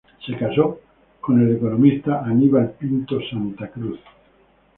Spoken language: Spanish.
Se casó con el economista Aníbal Pinto Santa Cruz.